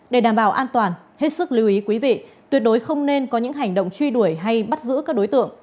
để đảm bảo an toàn hết sức lưu ý quý vị tuyệt đối không nên có những hành động truy đuổi hay bắt giữ các đối tượng